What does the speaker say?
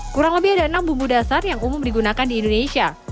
kurang lebih ada enam bumbu dasar yang umum digunakan di indonesia